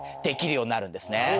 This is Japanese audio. できるようになるんですね。